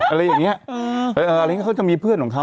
อะไรเงี้ยเขาก็จะมีเพื่อนของเขา